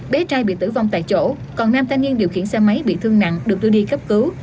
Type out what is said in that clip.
bé trai bị tử vong tại chỗ còn nam thanh niên điều khiển xe máy bị thương nặng được đưa đi cấp cứu